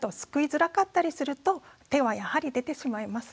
づらかったりすると手はやはり出てしまいます。